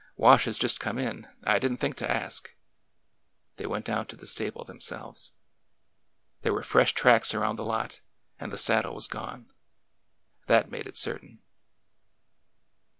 Wash has just come in. I did n't think to ask." They went down to the stable themselves. There were fresh tracks around the lot, and the saddle was gone. That made it certain.